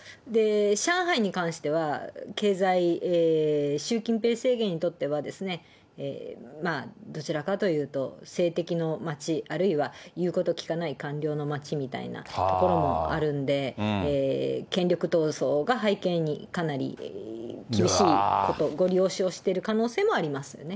上海に関しては、経済、習近平政権にとっては、どちらかというと、政敵の街、あるいは言うこと聞かない官僚の街みたいなところもあるんで、権力闘争が背景にかなり厳しいこと、ごり押しをしている可能性もありますね。